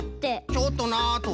「ちょっとな」とは？